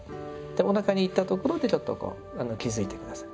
おなかにいったところでちょっとこう気づいて下さい。